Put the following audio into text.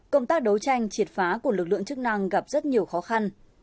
các đấu tranh triệt phá của lực lượng chức năng gặp rất nhiều khó khăn